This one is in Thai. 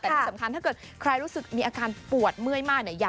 แต่ที่สำคัญถ้าเกิดใครรู้สึกมีอาการปวดเมื่อยมากเนี่ย